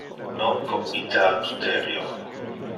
Non committe adulterio.